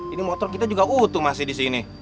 ini motor kita juga utuh masih di sini